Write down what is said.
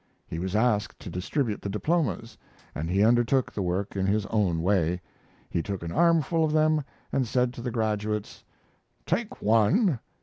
He was asked to distribute the diplomas, and he undertook the work in his own way. He took an armful of them and said to the graduates: "Take one.